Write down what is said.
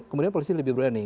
kemudian polisi lebih berani